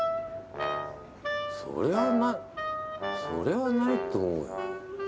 それはなそれはないと思うよ。